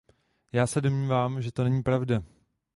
Já se domnívám, že to není pravda.